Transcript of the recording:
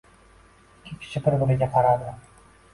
Ikki kishi bir-biriga qaradi.